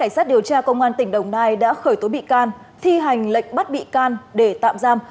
cảnh sát điều tra công an tỉnh đồng nai đã khởi tố bị can thi hành lệnh bắt bị can để tạm giam